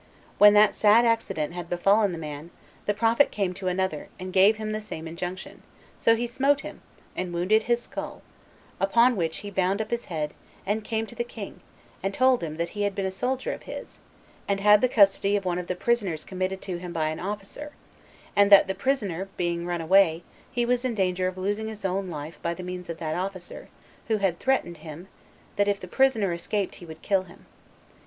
When that sad accident had befallen the man, the prophet came again to another, and gave him the same injunction; so he smote him, and wounded his skull; upon which he bound up his head, and came to the king, and told him that he had been a soldier of his, and had the custody of one of the prisoners committed to him by an officer, and that the prisoner being run away, he was in danger of losing his own life by the means of that officer, who had threatened him, that if the prisoner escaped he would kill him.